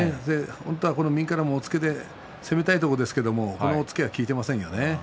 本当は右からの押っつけで攻めたいところですけども押っつけが効いていませんね。